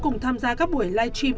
cùng tham gia các buổi live stream